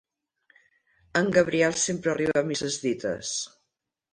En Gabriel sempre arriba a misses dites.